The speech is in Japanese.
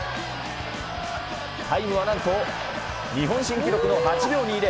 タイムはなんと、日本新記録の８秒２０。